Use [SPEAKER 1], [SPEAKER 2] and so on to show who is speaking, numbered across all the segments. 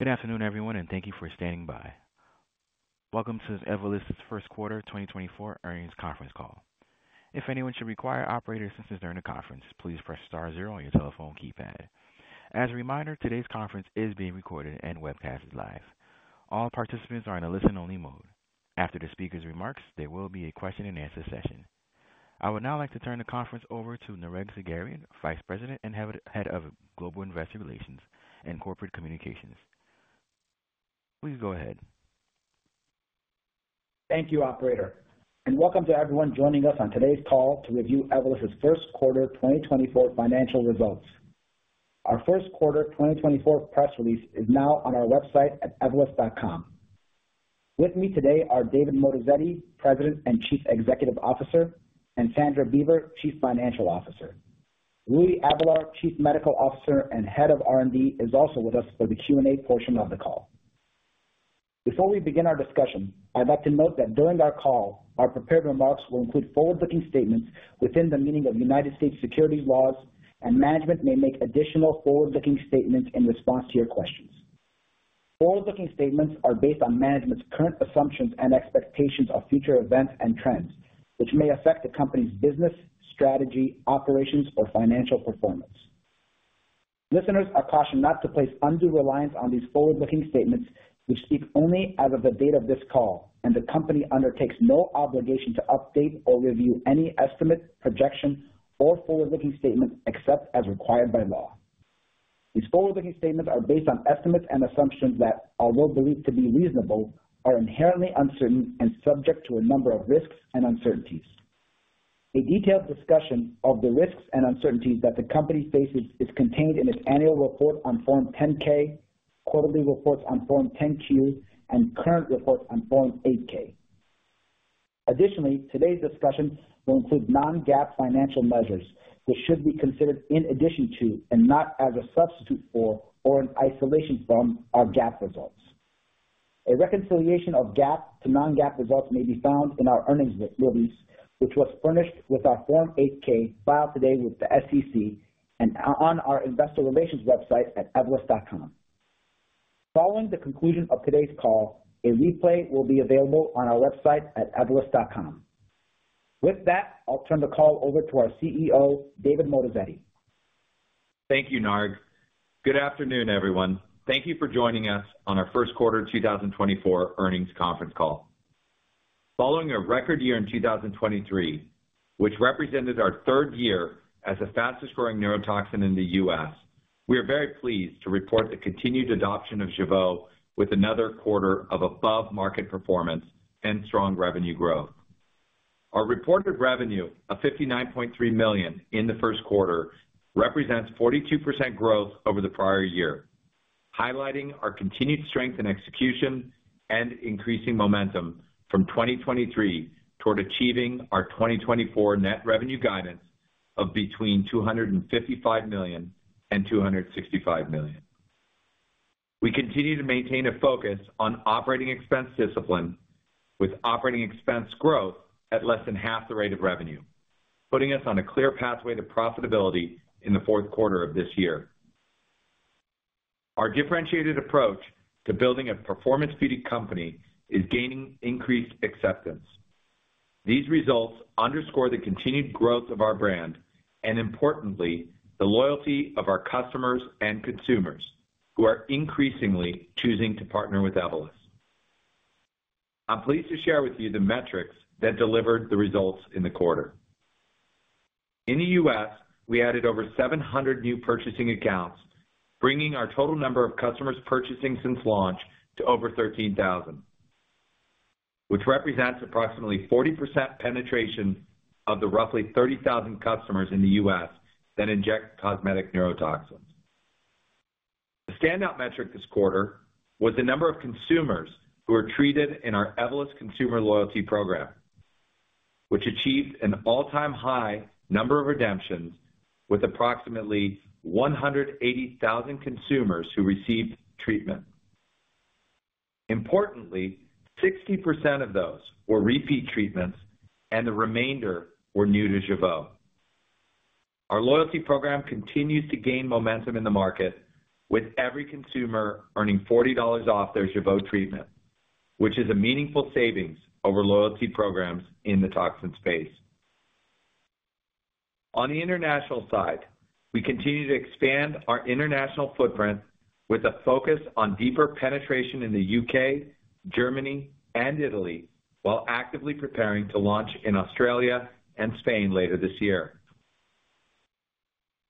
[SPEAKER 1] Good afternoon, everyone, and thank you for standing by. Welcome to Evolus's First Quarter 2024 Earnings Conference Call. If anyone should require operator assistance during the conference, please press star zero on your telephone keypad. As a reminder, today's conference is being recorded and webcast is live. All participants are in a listen-only mode. After the speaker's remarks, there will be a question-and-answer session. I would now like to turn the conference over to Nareg Sagherian, Vice President and Head of Global Investor Relations and Corporate Communications. Please go ahead.
[SPEAKER 2] Thank you, operator, and welcome to everyone joining us on today's call to review Evolus's first quarter 2024 financial results. Our first quarter 2024 press release is now on our website at evolus.com. With me today are David Moatazedi, President and Chief Executive Officer, and Sandra Beaver, Chief Financial Officer. Rui Avelar, Chief Medical Officer and Head of R&D, is also with us for the Q&A portion of the call. Before we begin our discussion, I'd like to note that during our call, our prepared remarks will include forward-looking statements within the meaning of United States securities laws, and management may make additional forward-looking statements in response to your questions. Forward-looking statements are based on management's current assumptions and expectations of future events and trends, which may affect the company's business, strategy, operations, or financial performance. Listeners are cautioned not to place undue reliance on these forward-looking statements, which speak only as of the date of this call, and the company undertakes no obligation to update or review any estimates, projections, or forward-looking statements except as required by law. These forward-looking statements are based on estimates and assumptions that, although believed to be reasonable, are inherently uncertain and subject to a number of risks and uncertainties. A detailed discussion of the risks and uncertainties that the Company faces is contained in its annual report on Form 10-K, quarterly reports on Form 10-Q, and current reports on Form 8-K. Additionally, today's discussion will include non-GAAP financial measures, which should be considered in addition to and not as a substitute for or in isolation from our GAAP results. A reconciliation of GAAP to non-GAAP results may be found in our earnings release, which was furnished with our Form 8-K filed today with the SEC and on our investor relations website at Evolus.com. Following the conclusion of today's call, a replay will be available on our website at Evolus.com. With that, I'll turn the call over to our CEO, David Moatazedi.
[SPEAKER 3] Thank you, Nareg. Good afternoon, everyone. Thank you for joining us on our first quarter 2024 earnings conference call. Following a record year in 2023, which represented our third year as the fastest-growing neurotoxin in the U.S., we are very pleased to report the continued adoption of Jeuveau with another quarter of above-market performance and strong revenue growth. Our reported revenue of $59.3 million in the first quarter represents 42% growth over the prior year, highlighting our continued strength in execution and increasing momentum from 2023 toward achieving our 2024 net revenue guidance of between $255 million and $265 million. We continue to maintain a focus on operating expense discipline, with operating expense growth at less than half the rate of revenue, putting us on a clear pathway to profitability in the fourth quarter of this year. Our differentiated approach to building a performance beauty company is gaining increased acceptance. These results underscore the continued growth of our brand and importantly, the loyalty of our customers and consumers who are increasingly choosing to partner with Evolus. I'm pleased to share with you the metrics that delivered the results in the quarter. In the U.S., we added over 700 new purchasing accounts, bringing our total number of customers purchasing since launch to over 13,000, which represents approximately 40% penetration of the roughly 30,000 customers in the U.S. that inject cosmetic neurotoxins. The standout metric this quarter was the number of consumers who were treated in our Evolus Consumer Loyalty Program, which achieved an all-time high number of redemptions with approximately 180,000 consumers who received treatment. Importantly, 60% of those were repeat treatments and the remainder were new to Jeuveau. Our loyalty program continues to gain momentum in the market, with every consumer earning $40 off their Jeuveau treatment, which is a meaningful savings over loyalty programs in the toxin space. On the international side, we continue to expand our international footprint with a focus on deeper penetration in the U.K., Germany, and Italy, while actively preparing to launch in Australia and Spain later this year.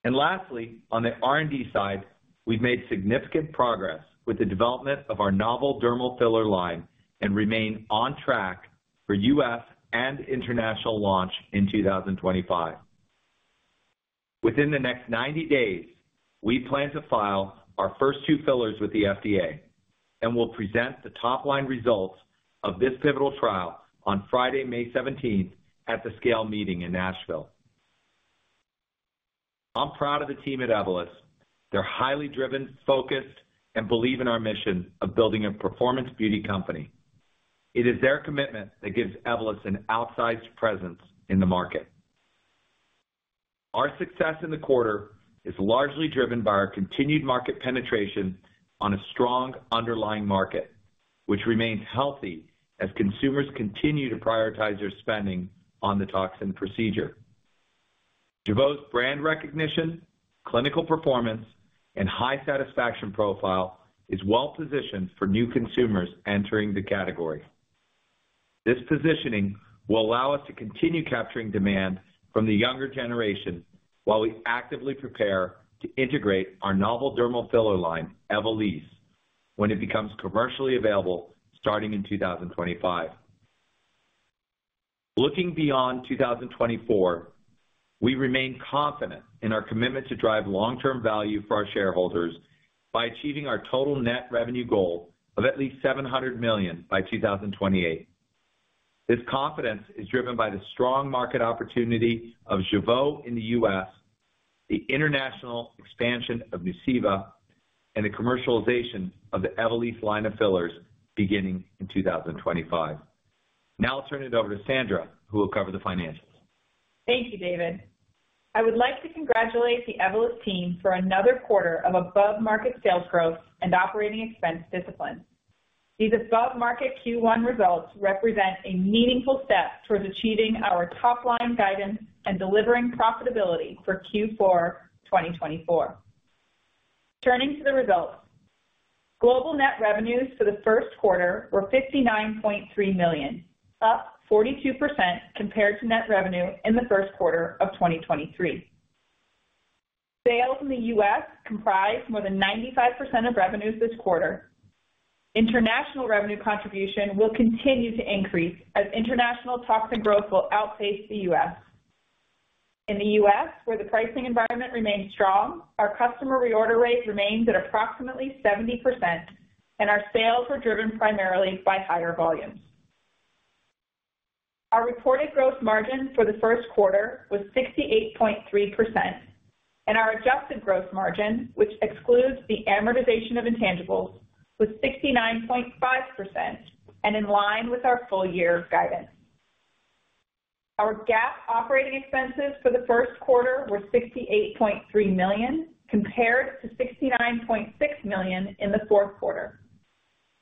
[SPEAKER 3] And lastly, on the R&D side, we've made significant progress with the development of our novel dermal filler line and remain on track for U.S. and international launch in 2025. Within the next 90 days, we plan to file our first two fillers with the FDA, and we'll present the top-line results of this pivotal trial on Friday, May seventeenth, at the SCALE meeting in Nashville. I'm proud of the team at Evolus. They're highly driven, focused, and believe in our mission of building a performance beauty company. It is their commitment that gives Evolus an outsized presence in the market.... Our success in the quarter is largely driven by our continued market penetration on a strong underlying market, which remains healthy as consumers continue to prioritize their spending on the toxin procedure. Jeuveau's brand recognition, clinical performance, and high satisfaction profile is well positioned for new consumers entering the category. This positioning will allow us to continue capturing demand from the younger generation while we actively prepare to integrate our novel dermal filler line, Evolysse, when it becomes commercially available starting in 2025. Looking beyond 2024, we remain confident in our commitment to drive long-term value for our shareholders by achieving our total net revenue goal of at least $700 million by 2028. This confidence is driven by the strong market opportunity of Jeuveau in the U.S., the international expansion of Nuceiva, and the commercialization of the Evolysse line of fillers beginning in 2025. Now I'll turn it over to Sandra, who will cover the financials.
[SPEAKER 4] Thank you, David. I would like to congratulate the Evolus team for another quarter of above-market sales growth and operating expense discipline. These above-market Q1 results represent a meaningful step towards achieving our top-line guidance and delivering profitability for Q4, 2024. Turning to the results. Global net revenues for the first quarter were $59.3 million, up 42% compared to net revenue in the first quarter of 2023. Sales in the U.S. comprised more than 95% of revenues this quarter. International revenue contribution will continue to increase as international toxin growth will outpace the U.S. In the U.S., where the pricing environment remains strong, our customer reorder rate remains at approximately 70%, and our sales were driven primarily by higher volumes. Our reported gross margin for the first quarter was 68.3%, and our adjusted gross margin, which excludes the amortization of intangibles, was 69.5% and in line with our full year guidance. Our GAAP operating expenses for the first quarter were $68.3 million, compared to $69.6 million in the fourth quarter.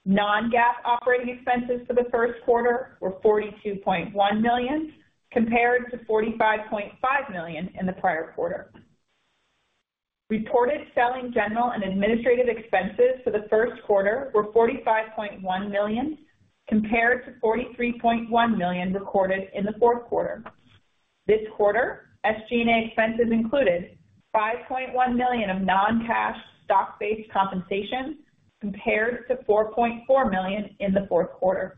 [SPEAKER 4] Non-GAAP operating expenses for the first quarter were $42.1 million, compared to $45.5 million in the prior quarter. Reported selling, general, and administrative expenses for the first quarter were $45.1 million, compared to $43.1 million recorded in the fourth quarter. This quarter, SG&A expenses included $5.1 million of non-cash stock-based compensation, compared to $4.4 million in the fourth quarter.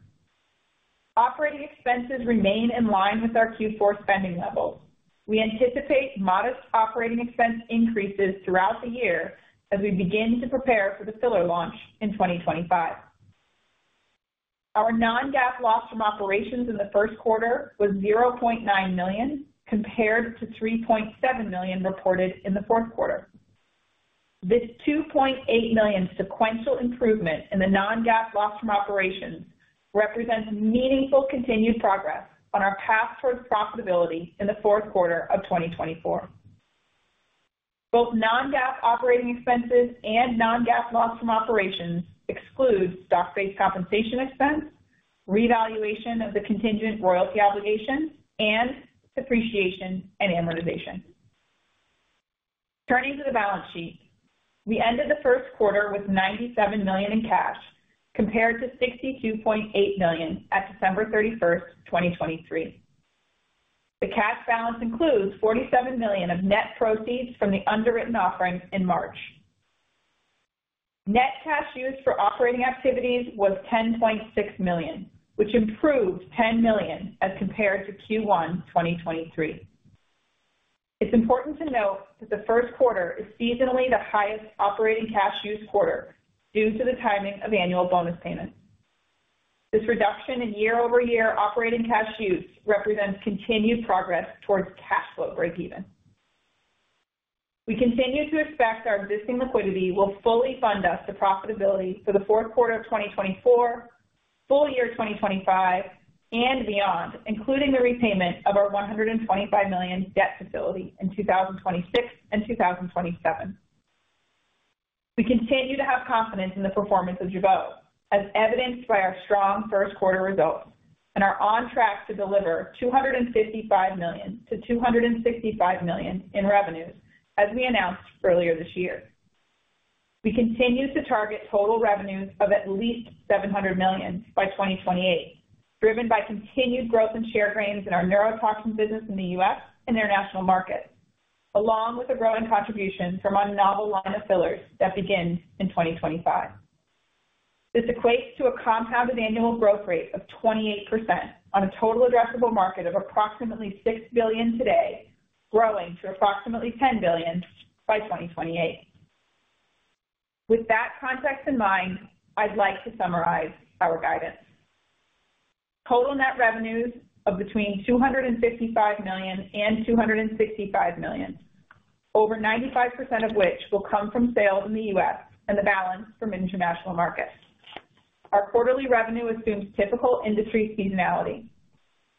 [SPEAKER 4] Operating expenses remain in line with our Q4 spending levels. We anticipate modest operating expense increases throughout the year as we begin to prepare for the filler launch in 2025. Our non-GAAP loss from operations in the first quarter was $0.9 million, compared to $3.7 million reported in the fourth quarter. This $2.8 million sequential improvement in the non-GAAP loss from operations represents meaningful continued progress on our path towards profitability in the fourth quarter of 2024. Both non-GAAP operating expenses and non-GAAP loss from operations excludes stock-based compensation expense, revaluation of the contingent royalty obligation, and depreciation and amortization. Turning to the balance sheet. We ended the first quarter with $97 million in cash, compared to $62.8 million at December 31, 2023. The cash balance includes $47 million of net proceeds from the underwritten offering in March. Net cash used for operating activities was $10.6 million, which improved $10 million as compared to Q1 2023. It's important to note that the first quarter is seasonally the highest operating cash use quarter due to the timing of annual bonus payments. This reduction in year-over-year operating cash use represents continued progress towards cash flow breakeven. We continue to expect our existing liquidity will fully fund us to profitability for the fourth quarter of 2024, full year 2025, and beyond, including the repayment of our $125 million debt facility in 2026 and 2027. We continue to have confidence in the performance of Jeuveau, as evidenced by our strong first quarter results, and are on track to deliver $255 million-$265 million in revenues, as we announced earlier this year. We continue to target total revenues of at least $700 million by 2028, driven by continued growth in share gains in our neurotoxin business in the U.S. and international markets, along with the growing contribution from our novel line of fillers that begin in 2025. This equates to a compounded annual growth rate of 28% on a total addressable market of approximately $6 billion today, growing to approximately $10 billion by 2028. With that context in mind, I'd like to summarize our guidance. Total net revenues of between $255 million and $265 million, over 95% of which will come from sales in the U.S. and the balance from international markets. Our quarterly revenue assumes typical industry seasonality.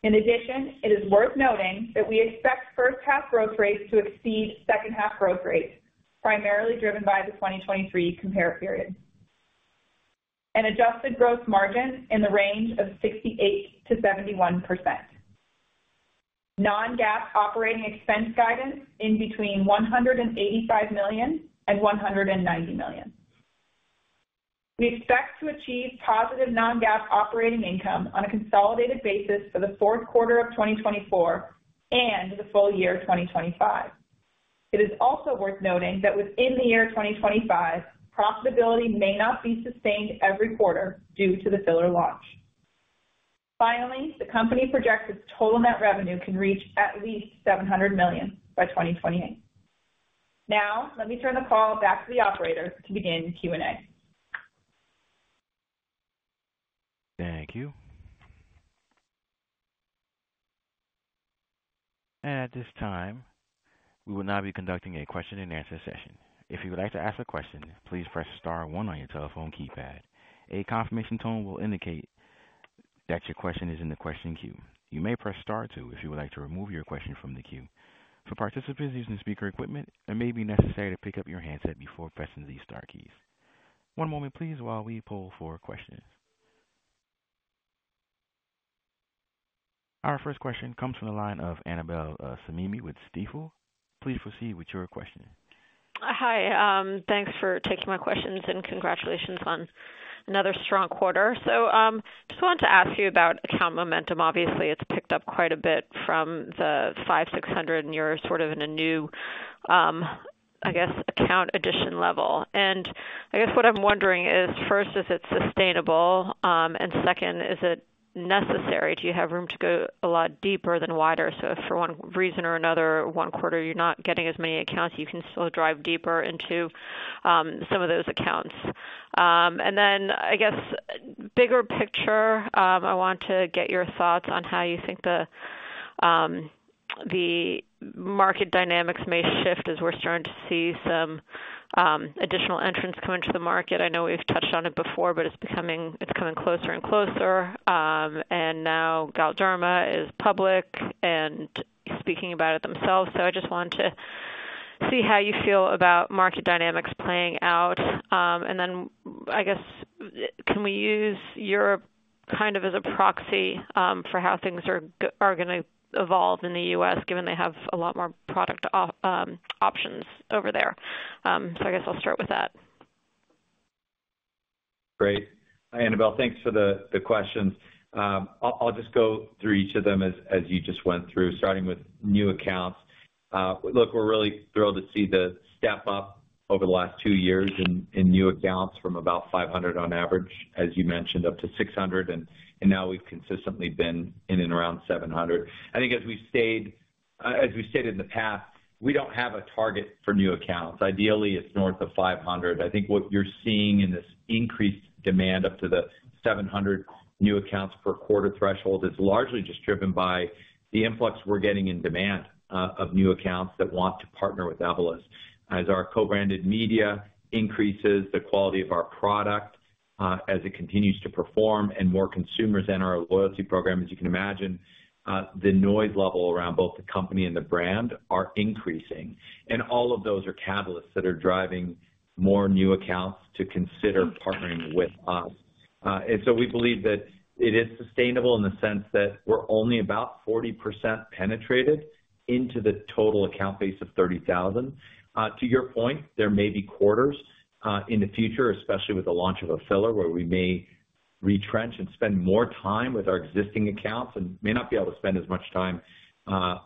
[SPEAKER 4] In addition, it is worth noting that we expect first half growth rates to exceed second half growth rates, primarily driven by the 2023 compare period. An adjusted gross margin in the range of 68%-71%. Non-GAAP operating expense guidance in between $185 million and $190 million. We expect to achieve positive non-GAAP operating income on a consolidated basis for the fourth quarter of 2024 and the full year of 2025. It is also worth noting that within the year 2025, profitability may not be sustained every quarter due to the filler launch. Finally, the company projects its total net revenue can reach at least $700 million by 2028. Now, let me turn the call back to the operator to begin the Q&A.
[SPEAKER 1] Thank you. At this time, we will now be conducting a question-and-answer session. If you would like to ask a question, please press star one on your telephone keypad. A confirmation tone will indicate that your question is in the question queue. You may press star two if you would like to remove your question from the queue. For participants using speaker equipment, it may be necessary to pick up your handset before pressing these star keys. One moment, please, while we pull for questions. Our first question comes from the line of Annabel Samimy with Stifel. Please proceed with your question.
[SPEAKER 5] Hi, thanks for taking my questions and congratulations on another strong quarter. So, just wanted to ask you about account momentum. Obviously, it's picked up quite a bit from the 500-600, and you're sort of in a new, I guess, account addition level. And I guess what I'm wondering is, first, if it's sustainable, and second, is it necessary? Do you have room to go a lot deeper than wider? So if for one reason or another, one quarter, you're not getting as many accounts, you can still drive deeper into, some of those accounts. And then, I guess, bigger picture, I want to get your thoughts on how you think the the market dynamics may shift as we're starting to see some additional entrants come into the market. I know we've touched on it before, but it's becoming, it's coming closer and closer, and now Galderma is public and speaking about it themselves. So I just wanted to see how you feel about market dynamics playing out. Then, I guess, can we use Europe kind of as a proxy for how things are going to evolve in the U.S., given they have a lot more product options over there? So I guess I'll start with that.
[SPEAKER 3] Great. Annabel, thanks for the questions. I'll just go through each of them as you just went through, starting with new accounts. Look, we're really thrilled to see the step up over the last two years in new accounts from about 500 on average, as you mentioned, up to 600, and now we've consistently been in and around 700. I think as we've stated in the past, we don't have a target for new accounts. Ideally, it's north of 500. I think what you're seeing in this increased demand up to the 700 new accounts per quarter threshold is largely just driven by the influx we're getting in demand of new accounts that want to partner with Evolus. As our co-branded media increases the quality of our product, as it continues to perform and more consumers enter our loyalty program, as you can imagine, the noise level around both the company and the brand are increasing, and all of those are catalysts that are driving more new accounts to consider partnering with us. And so we believe that it is sustainable in the sense that we're only about 40% penetrated into the total account base of 30,000. To your point, there may be quarters in the future, especially with the launch of a filler, where we may retrench and spend more time with our existing accounts and may not be able to spend as much time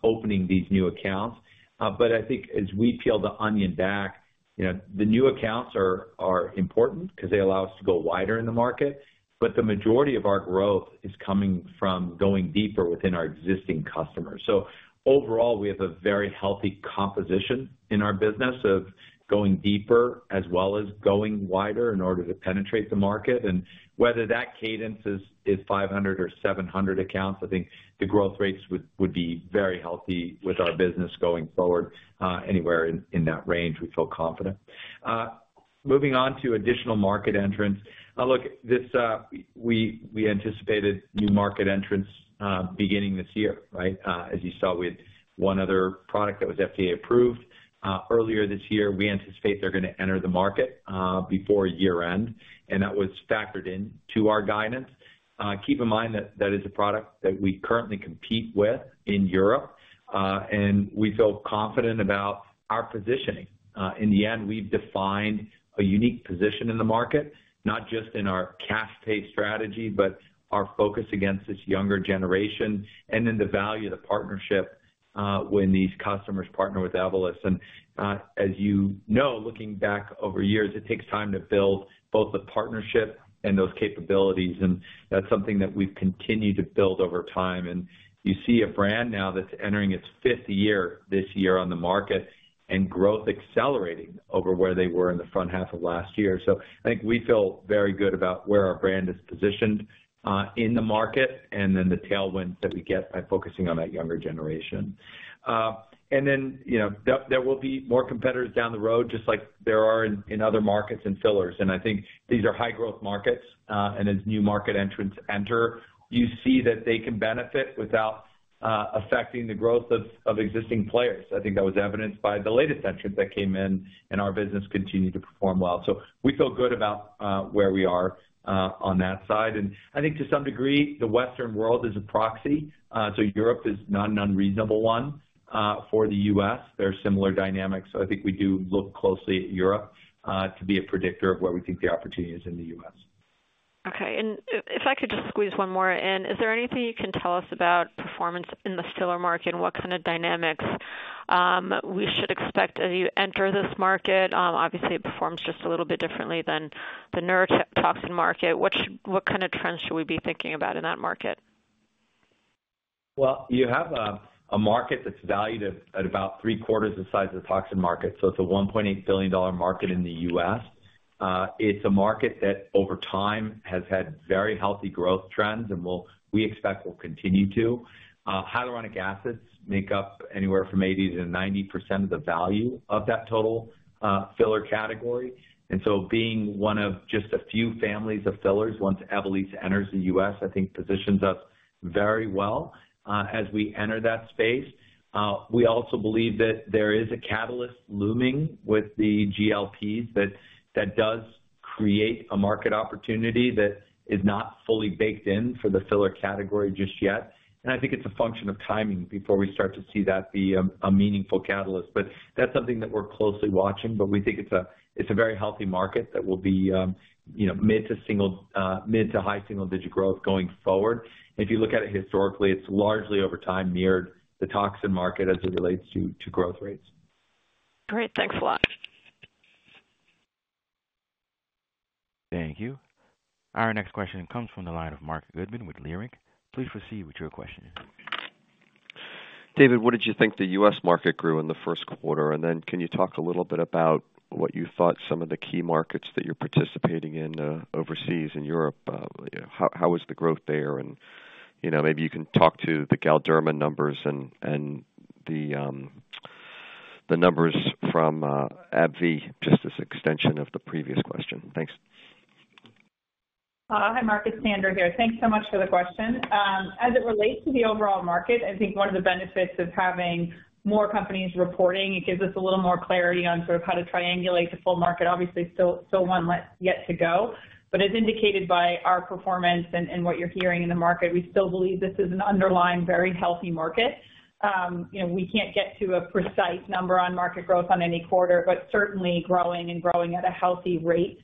[SPEAKER 3] opening these new accounts. But I think as we peel the onion back, you know, the new accounts are important because they allow us to go wider in the market, but the majority of our growth is coming from going deeper within our existing customers. So overall, we have a very healthy composition in our business of going deeper as well as going wider in order to penetrate the market. And whether that cadence is 500 or 700 accounts, I think the growth rates would be very healthy with our business going forward, anywhere in that range, we feel confident. Moving on to additional market entrants. Look, this we anticipated new market entrants beginning this year, right? As you saw with one other product that was FDA approved earlier this year. We anticipate they're going to enter the market before year-end, and that was factored into our guidance. Keep in mind that that is a product that we currently compete with in Europe, and we feel confident about our positioning. In the end, we've defined a unique position in the market, not just in our cash pay strategy, but our focus against this younger generation and in the value of the partnership when these customers partner with Evolus. And, as you know, looking back over years, it takes time to build both the partnership and those capabilities, and that's something that we've continued to build over time. And you see a brand now that's entering its fifth year this year on the market, and growth accelerating over where they were in the front half of last year. So I think we feel very good about where our brand is positioned in the market and then the tailwind that we get by focusing on that younger generation. And then, you know, there will be more competitors down the road, just like there are in other markets and fillers. And I think these are high growth markets. And as new market entrants enter, you see that they can benefit without affecting the growth of existing players. I think that was evidenced by the latest entrant that came in, and our business continued to perform well. So we feel good about where we are on that side. And I think to some degree, the Western world is a proxy, so Europe is not an unreasonable one for the U.S. There are similar dynamics, so I think we do look closely at Europe to be a predictor of where we think the opportunity is in the U.S.
[SPEAKER 5] Okay. And if I could just squeeze one more in: Is there anything you can tell us about performance in the filler market, and what kind of dynamics we should expect as you enter this market? Obviously it performs just a little bit differently than the neurotoxin market. What kind of trends should we be thinking about in that market?
[SPEAKER 3] Well, you have a market that's valued at about three-quarters the size of the toxin market, so it's a $1.8 billion market in the U.S. It's a market that, over time, has had very healthy growth trends and will, we expect, will continue to. Hyaluronic acids make up anywhere from 80%-90% of the value of that total, filler category. And so being one of just a few families of fillers, once Evolus enters the U.S., I think positions us very well, as we enter that space. We also believe that there is a catalyst looming with the GLPs that does create a market opportunity that is not fully baked in for the filler category just yet. And I think it's a function of timing before we start to see that be a meaningful catalyst. But that's something that we're closely watching, but we think it's a very healthy market that will be, you know, mid- to high-single-digit growth going forward. If you look at it historically, it's largely over time mirrored the toxin market as it relates to growth rates.
[SPEAKER 5] Great. Thanks a lot.
[SPEAKER 1] Thank you. Our next question comes from the line of Marc Goodman with Leerink Partners. Please proceed with your question.
[SPEAKER 6] David, what did you think the U.S. market grew in the first quarter? Then can you talk a little bit about what you thought some of the key markets that you're participating in overseas in Europe? How was the growth there? You know, maybe you can talk to the Galderma numbers and the numbers from AbbVie, just as extension of the previous question. Thanks.
[SPEAKER 4] Hi, Mark, it's Sandra here. Thanks so much for the question. As it relates to the overall market, I think one of the benefits of having more companies reporting, it gives us a little more clarity on sort of how to triangulate the full market. Obviously, still one left yet to go, but as indicated by our performance and what you're hearing in the market, we still believe this is an underlying, very healthy market. You know, we can't get to a precise number on market growth on any quarter, but certainly growing and growing at a healthy rate,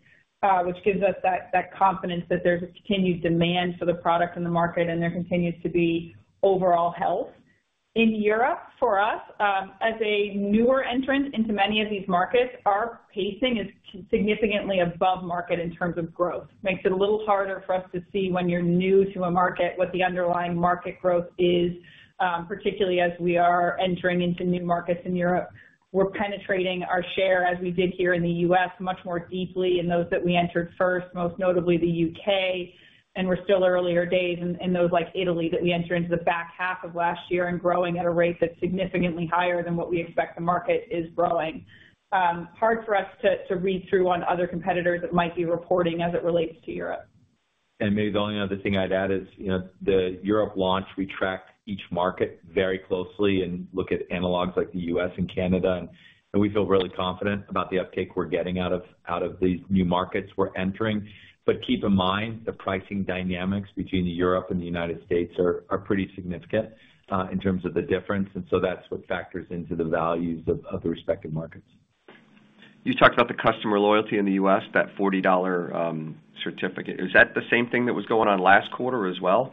[SPEAKER 4] which gives us that confidence that there's a continued demand for the product in the market, and there continues to be overall health. In Europe, for us, as a newer entrant into many of these markets, our pacing is significantly above market in terms of growth. Makes it a little harder for us to see when you're new to a market, what the underlying market growth is, particularly as we are entering into new markets in Europe. We're penetrating our share, as we did here in the U.S., much more deeply in those that we entered first, most notably the U.K., and we're still earlier days in those like Italy, that we entered into the back half of last year, and growing at a rate that's significantly higher than what we expect the market is growing. Hard for us to read through on other competitors that might be reporting as it relates to Europe.
[SPEAKER 3] Maybe the only other thing I'd add is, you know, the Europe launch, we tracked each market very closely and look at analogs like the U.S. and Canada, and we feel really confident about the uptake we're getting out of these new markets we're entering. Keep in mind, the pricing dynamics between Europe and the United States are pretty significant in terms of the difference, and so that's what factors into the values of the respective markets.
[SPEAKER 6] You talked about the customer loyalty in the U.S., that $40 certificate. Is that the same thing that was going on last quarter as well?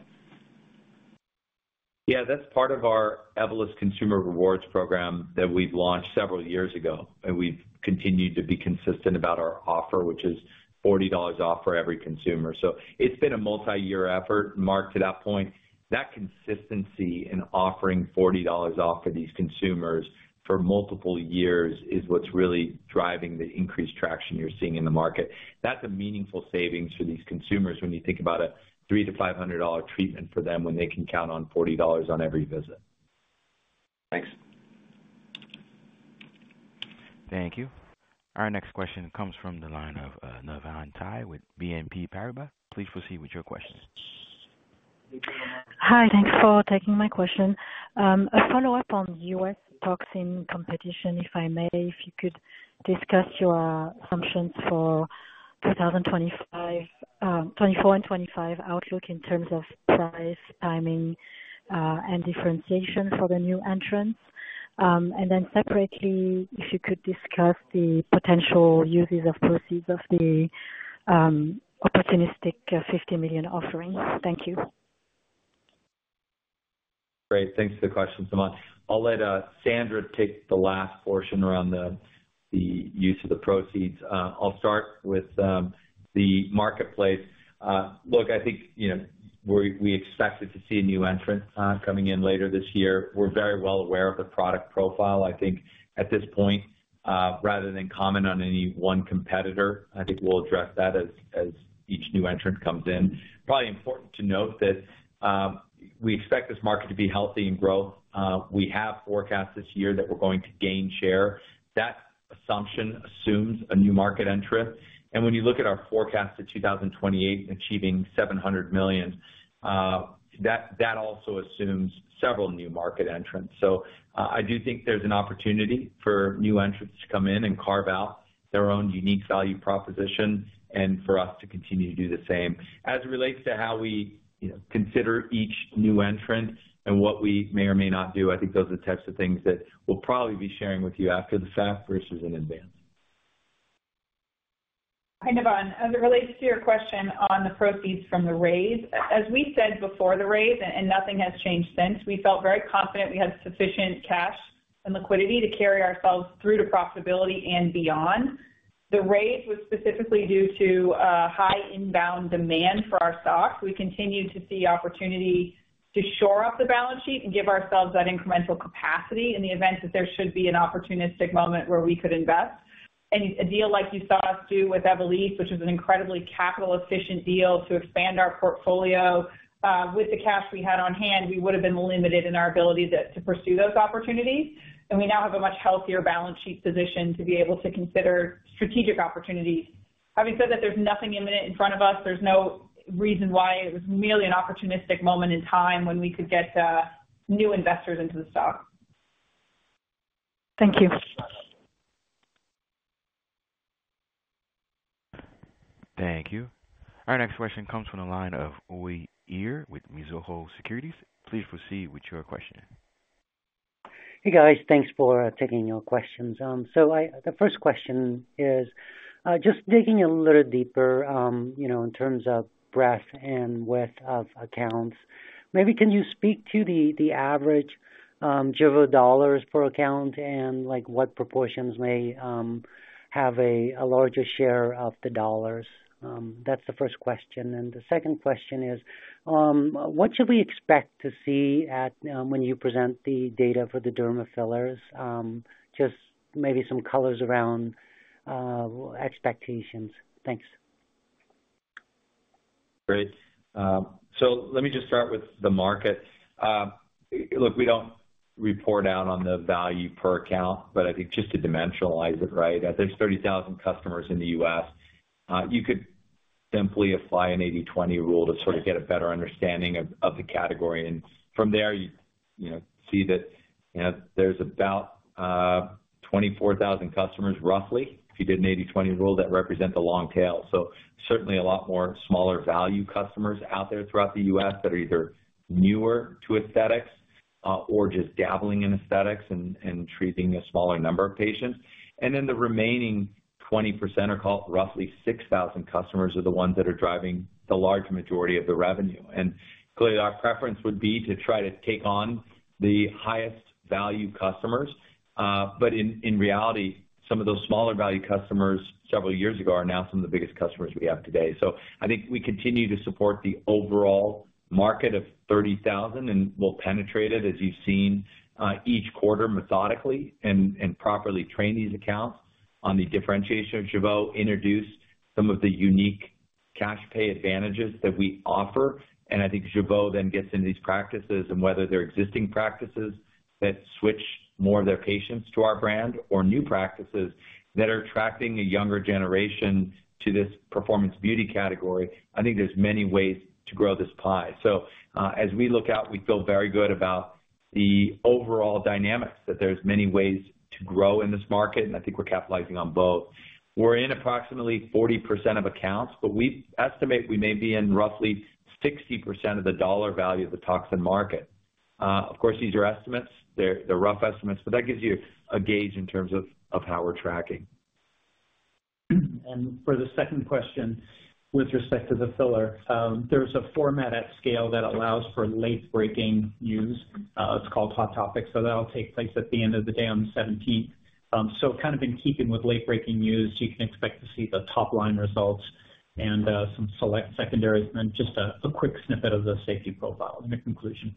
[SPEAKER 3] Yeah, that's part of our Evolus consumer rewards program that we've launched several years ago, and we've continued to be consistent about our offer, which is $40 off for every consumer. So it's been a multiyear effort, Mark, to that point. That consistency in offering $40 off to these consumers for multiple years is what's really driving the increased traction you're seeing in the market. That's a meaningful savings for these consumers when you think about a $300-$500 treatment for them, when they can count on $40 on every visit.
[SPEAKER 6] Thanks.
[SPEAKER 1] Thank you. Our next question comes from the line of, Navann Ty with BNP Paribas. Please proceed with your question.
[SPEAKER 7] Hi, thanks for taking my question. A follow-up on U.S. toxin competition, if I may. If you could discuss your assumptions for 2024 and 2025 outlook in terms of price, timing, and differentiation for the new entrants?... And then separately, if you could discuss the potential uses of proceeds of the opportunistic $50 million offerings. Thank you.
[SPEAKER 3] Great. Thanks for the question so much. I'll let Sandra take the last portion around the use of the proceeds. I'll start with the marketplace. Look, I think, you know, we expected to see a new entrant coming in later this year. We're very well aware of the product profile. I think at this point, rather than comment on any one competitor, I think we'll address that as each new entrant comes in. Probably important to note that we expect this market to be healthy and grow. We have forecasts this year that we're going to gain share. That assumption assumes a new market entrant, and when you look at our forecast to 2028, achieving $700 million, that also assumes several new market entrants. So, I do think there's an opportunity for new entrants to come in and carve out their own unique value proposition and for us to continue to do the same. As it relates to how we, you know, consider each new entrant and what we may or may not do, I think those are the types of things that we'll probably be sharing with you after the fact versus in advance.
[SPEAKER 4] Hi, Navann. As it relates to your question on the proceeds from the raise, as we said before the raise, nothing has changed since, we felt very confident we had sufficient cash and liquidity to carry ourselves through to profitability and beyond. The raise was specifically due to high inbound demand for our stock. We continued to see opportunity to shore up the balance sheet and give ourselves that incremental capacity in the event that there should be an opportunistic moment where we could invest. A deal like you saw us do with Evolus, which was an incredibly capital-efficient deal to expand our portfolio, with the cash we had on hand, we would have been limited in our ability to pursue those opportunities, and we now have a much healthier balance sheet position to be able to consider strategic opportunities. Having said that, there's nothing imminent in front of us. There's no reason why. It was merely an opportunistic moment in time when we could get, new investors into the stock.
[SPEAKER 7] Thank you.
[SPEAKER 1] Thank you. Our next question comes from the line of Uy Ear with Mizuho Securities. Please proceed with your question.
[SPEAKER 8] Hey, guys. Thanks for taking our questions. So, the first question is, just digging a little deeper, you know, in terms of breadth and width of accounts, maybe can you speak to the average Jeuveau dollars per account and, like, what proportions may have a larger share of the dollars? That's the first question. And the second question is, what should we expect to see at when you present the data for the dermal fillers? Just maybe some colors around expectations. Thanks.
[SPEAKER 3] Great. So let me just start with the market. Look, we don't report out on the value per account, but I think just to dimensionalize it, right, there's 30,000 customers in the U.S. You could simply apply an 80/20 rule to sort of get a better understanding of the category, and from there you, you know, see that, you know, there's about 24,000 customers, roughly, if you did an 80/20 rule, that represent the long tail. So certainly a lot more smaller value customers out there throughout the U.S. that are either newer to aesthetics or just dabbling in aesthetics and treating a smaller number of patients. And then the remaining 20%, or roughly 6,000 customers, are the ones that are driving the large majority of the revenue. Clearly, our preference would be to try to take on the highest value customers. But in reality, some of those smaller value customers several years ago are now some of the biggest customers we have today. I think we continue to support the overall market of 30,000 and we'll penetrate it, as you've seen, each quarter, methodically and properly train these accounts on the differentiation of Jeuveau, introduce some of the unique cash pay advantages that we offer. And I think Jeuveau then gets into these practices and whether they're existing practices that switch more of their patients to our brand or new practices that are attracting a younger generation to this performance beauty category. I think there's many ways to grow this pie. As we look out, we feel very good about the overall dynamics, that there's many ways to grow in this market, and I think we're capitalizing on both. We're in approximately 40% of accounts, but we estimate we may be in roughly 60% of the dollar value of the toxin market. Of course, these are estimates. They're rough estimates, but that gives you a gauge in terms of how we're tracking.
[SPEAKER 8] For the second question, with respect to the filler, there's a format at SCALE that allows for late-breaking news. It's called Hot Topics, so that'll take place at the end of the day on the seventeenth. So kind of in keeping with late-breaking news, you can expect to see the top-line results and some select secondaries and just a quick snippet of the safety profile in the conclusion.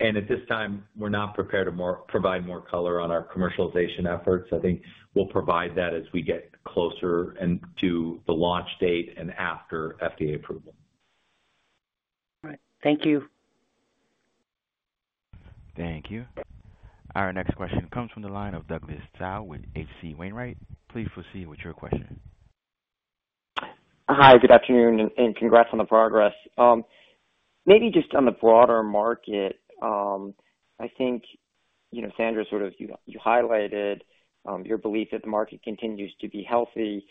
[SPEAKER 3] At this time, we're not prepared to provide more color on our commercialization efforts. I think we'll provide that as we get closer and to the launch date and after FDA approval.
[SPEAKER 8] All right. Thank you.
[SPEAKER 1] Thank you. Our next question comes from the line of Douglas Tsao with H.C. Wainwright. Please proceed with your question....
[SPEAKER 9] Hi, good afternoon, and congrats on the progress. Maybe just on the broader market, I think, you know, Sandra, sort of you, you highlighted your belief that the market continues to be healthy.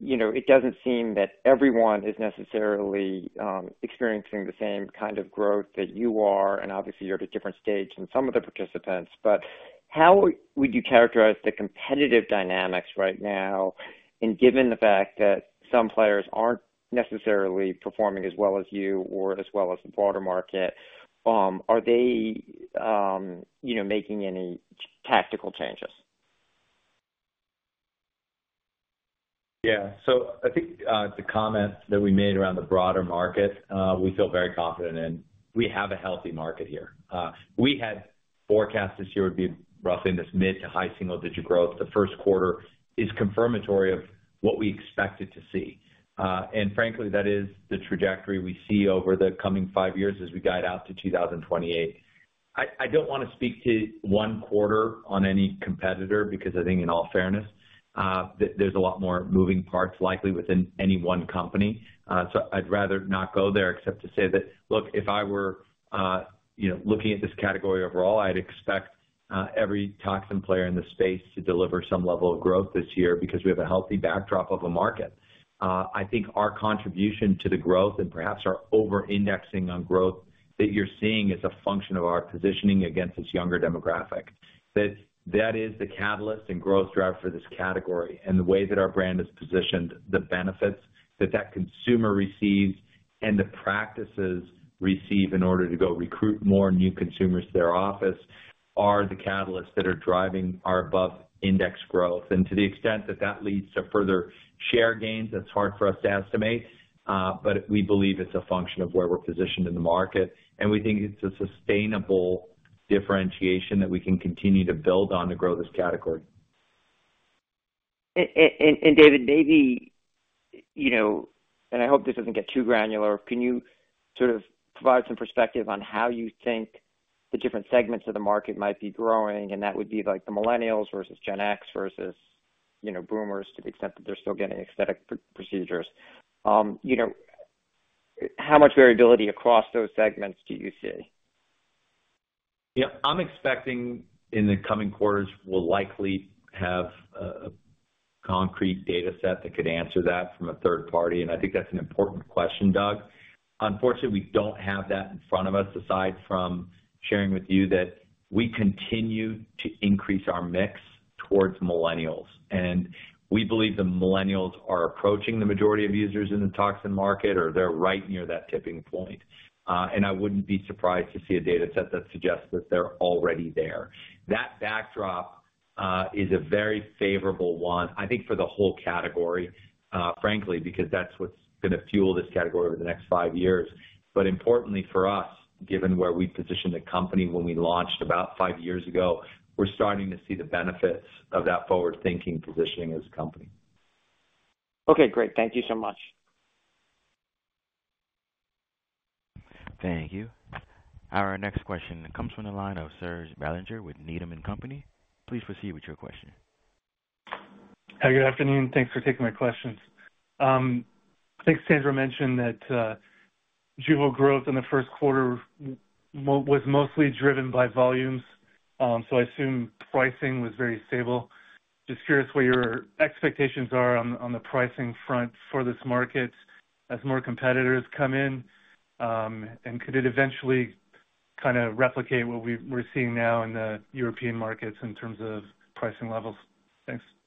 [SPEAKER 9] You know, it doesn't seem that everyone is necessarily experiencing the same kind of growth that you are, and obviously you're at a different stage than some of the participants. But how would you characterize the competitive dynamics right now, and given the fact that some players aren't necessarily performing as well as you or as well as the broader market, are they, you know, making any tactical changes?
[SPEAKER 3] Yeah. So I think, the comments that we made around the broader market, we feel very confident in. We have a healthy market here. We had forecast this year would be roughly in this mid- to high-single-digit growth. The first quarter is confirmatory of what we expected to see. Frankly, that is the trajectory we see over the coming five years as we guide out to 2028. I don't wanna speak to one quarter on any competitor because I think in all fairness, there's a lot more moving parts likely within any one company. So I'd rather not go there, except to say that, look, if I were, you know, looking at this category overall, I'd expect, every toxin player in the space to deliver some level of growth this year because we have a healthy backdrop of a market. I think our contribution to the growth and perhaps our over-indexing on growth that you're seeing is a function of our positioning against this younger demographic. That is the catalyst and growth driver for this category, and the way that our brand is positioned, the benefits that that consumer receives and the practices receive in order to go recruit more new consumers to their office, are the catalysts that are driving our above-index growth. To the extent that that leads to further share gains, that's hard for us to estimate, but we believe it's a function of where we're positioned in the market, and we think it's a sustainable differentiation that we can continue to build on to grow this category.
[SPEAKER 9] And David, maybe, you know, and I hope this doesn't get too granular, can you sort of provide some perspective on how you think the different segments of the market might be growing? And that would be, like, the millennials versus Gen X versus, you know, boomers, to the extent that they're still getting aesthetic procedures. You know, how much variability across those segments do you see? Yeah, I'm expecting in the coming quarters, we'll likely have a concrete data set that could answer that from a third party, and I think that's an important question, Doug. Unfortunately, we don't have that in front of us, aside from sharing with you that we continue to increase our mix towards millennials, and we believe the millennials are approaching the majority of users in the toxin market, or they're right near that tipping point. And I wouldn't be surprised to see a data set that suggests that they're already there. That backdrop is a very favorable one, I think, for the whole category, frankly, because that's what's going to fuel this category over the next five years. But importantly for us, given where we positioned the company when we launched about five years ago, we're starting to see the benefits of that forward-thinking positioning as a company. Okay, great. Thank you so much.
[SPEAKER 1] Thank you. Our next question comes from the line of Serge Belanger with Needham & Company. Please proceed with your question.
[SPEAKER 10] Hi, good afternoon. Thanks for taking my questions. I think Sandra mentioned that, Juveau growth in the first quarter was mostly driven by volumes, so I assume pricing was very stable. Just curious what your expectations are on, on the pricing front for this market as more competitors come in, and could it eventually kind of replicate what we're seeing now in the European markets in terms of pricing levels? Thanks.
[SPEAKER 4] Thanks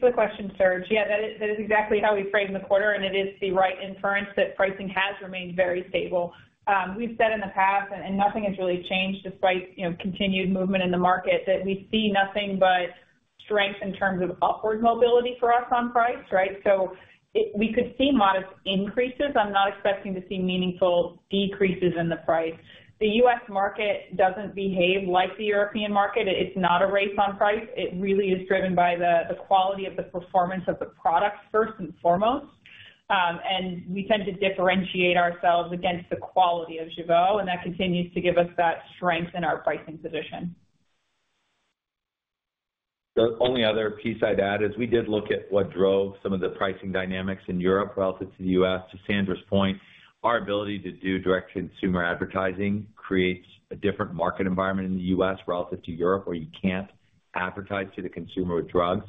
[SPEAKER 4] for the question, Serge. Yeah, that is, that is exactly how we framed the quarter, and it is the right inference that pricing has remained very stable. We've said in the past, and nothing has really changed despite, you know, continued movement in the market, that we see nothing but strength in terms of upward mobility for us on price, right? So we could see modest increases. I'm not expecting to see meaningful decreases in the price. The U.S. market doesn't behave like the European market. It's not a race on price. It really is driven by the, the quality of the performance of the product, first and foremost. And we tend to differentiate ourselves against the quality of Jeuveau, and that continues to give us that strength in our pricing position.
[SPEAKER 3] The only other piece I'd add is we did look at what drove some of the pricing dynamics in Europe relative to the U.S. To Sandra's point, our ability to do direct consumer advertising creates a different market environment in the U.S. relative to Europe, where you can't advertise to the consumer with drugs.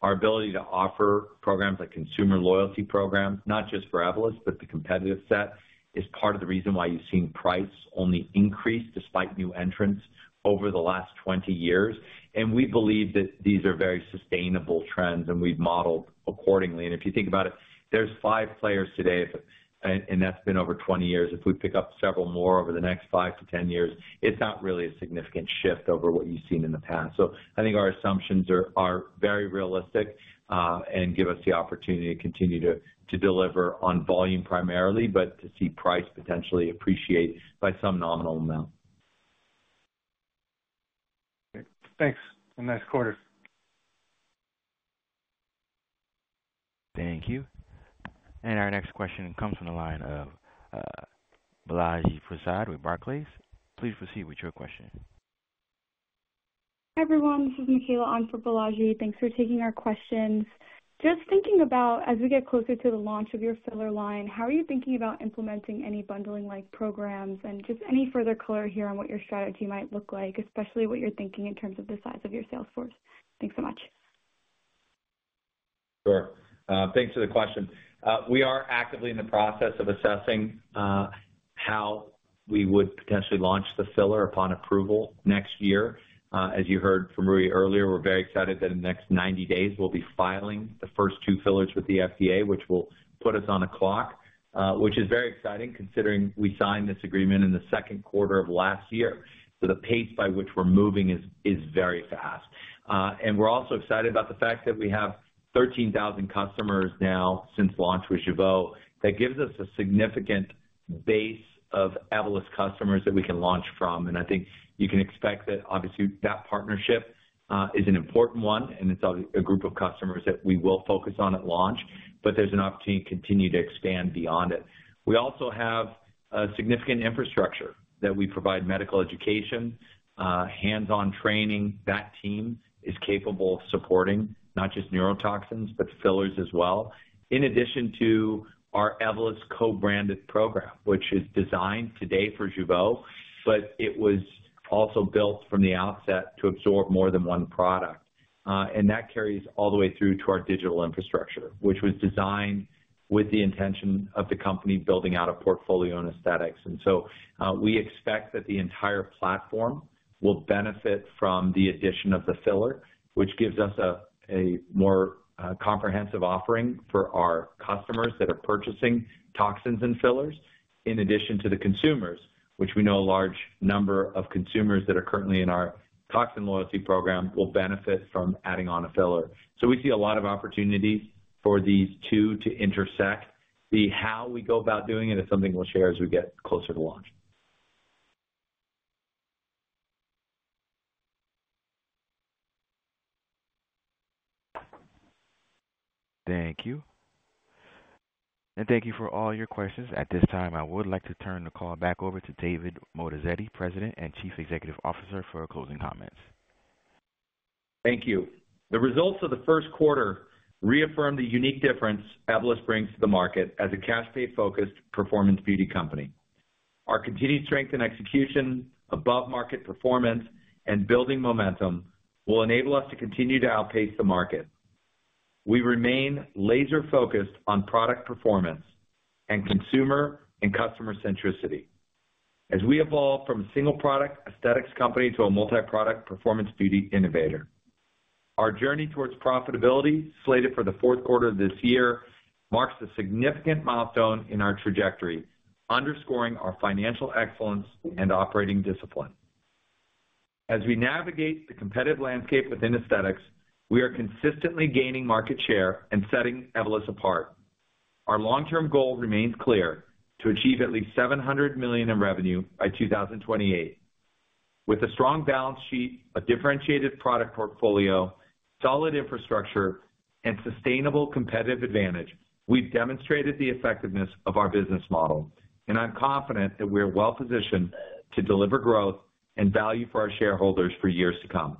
[SPEAKER 3] Our ability to offer programs like consumer loyalty programs, not just for Evolus, but the competitive set, is part of the reason why you've seen price only increase despite new entrants over the last 20 years. And we believe that these are very sustainable trends, and we've modeled accordingly. And if you think about it, there's five players today, and, and that's been over 20 years. If we pick up several more over the next 5-10 years, it's not really a significant shift over what you've seen in the past. So I think our assumptions are very realistic, and give us the opportunity to continue to deliver on volume primarily, but to see price potentially appreciate by some nominal amount.
[SPEAKER 10] Thanks, and nice quarter.
[SPEAKER 1] Thank you. Our next question comes from the line of Balaji Prasad with Barclays. Please proceed with your question.
[SPEAKER 11] Hi, everyone, this is Mikayla on for Balaji. Thanks for taking our questions. Just thinking about as we get closer to the launch of your filler line, how are you thinking about implementing any bundling-like programs? And just any further color here on what your strategy might look like, especially what you're thinking in terms of the size of your sales force. Thanks so much.
[SPEAKER 3] Sure. Thanks for the question. We are actively in the process of assessing how we would potentially launch the filler upon approval next year. As you heard from Rui earlier, we're very excited that in the next 90 days, we'll be filing the first two fillers with the FDA, which will put us on a clock, which is very exciting considering we signed this agreement in the second quarter of last year. So the pace by which we're moving is very fast. And we're also excited about the fact that we have 13,000 customers now since launch with Jeuveau. That gives us a significant base of Evolus customers that we can launch from, and I think you can expect that obviously, that partnership is an important one, and it's a group of customers that we will focus on at launch, but there's an opportunity to continue to expand beyond it. We also have a significant infrastructure that we provide medical education, hands-on training. That team is capable of supporting not just neurotoxins, but fillers as well, in addition to our Evolus co-branded program, which is designed today for Jeuveau, but it was also built from the outset to absorb more than one product. And that carries all the way through to our digital infrastructure, which was designed with the intention of the company building out a portfolio in aesthetics. And so, we expect that the entire platform will benefit from the addition of the filler, which gives us a more comprehensive offering for our customers that are purchasing toxins and fillers, in addition to the consumers, which we know a large number of consumers that are currently in our toxin loyalty program will benefit from adding on a filler. So we see a lot of opportunities for these two to intersect. The how we go about doing it is something we'll share as we get closer to launch.
[SPEAKER 1] Thank you. Thank you for all your questions. At this time, I would like to turn the call back over to David Moatazedi, President and Chief Executive Officer, for closing comments.
[SPEAKER 3] Thank you. The results of the first quarter reaffirm the unique difference Evolus brings to the market as a cash pay-focused performance beauty company. Our continued strength and execution, above market performance, and building momentum will enable us to continue to outpace the market. We remain laser-focused on product performance and consumer and customer centricity. As we evolve from a single product aesthetics company to a multi-product performance beauty innovator, our journey towards profitability, slated for the fourth quarter of this year, marks a significant milestone in our trajectory, underscoring our financial excellence and operating discipline. As we navigate the competitive landscape within aesthetics, we are consistently gaining market share and setting Evolus apart. Our long-term goal remains clear: to achieve at least $700 million in revenue by 2028. With a strong balance sheet, a differentiated product portfolio, solid infrastructure, and sustainable competitive advantage, we've demonstrated the effectiveness of our business model, and I'm confident that we're well positioned to deliver growth and value for our shareholders for years to come.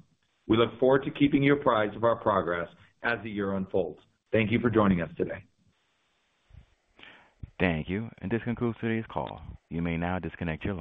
[SPEAKER 3] We look forward to keeping you apprised of our progress as the year unfolds. Thank you for joining us today.
[SPEAKER 1] Thank you. This concludes today's call. You may now disconnect your line.